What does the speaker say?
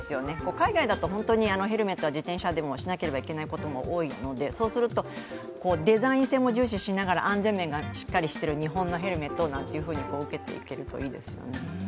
海外だとヘルメットは自転車でもしなければいけないことが多いのでそうするとデザイン性も重視しながら安全面がしっかりしている日本のヘルメットをなんて受けていけるといいですよね。